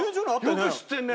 よく知ってるね。